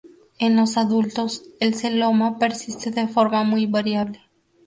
En los adultos, el celoma persiste de forma muy variable.